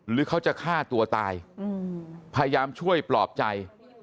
หรือเขาจะฆ่าตัวตายพยายามช่วยปลอบใจ